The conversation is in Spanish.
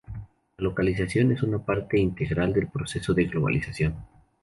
La localización es una parte integral del proceso de globalización.